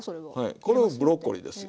これはブロッコリーですよ。